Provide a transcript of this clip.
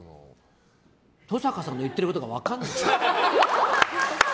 登坂さんの言ってることが分からない。